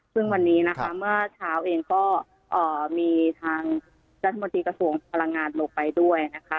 ซึ่งวันนี้นะคะเมื่อเช้าเองก็มีทางรัฐมนตรีกระทรวงพลังงานลงไปด้วยนะคะ